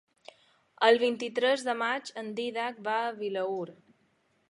El vint-i-tres de maig en Dídac va a Vilaür.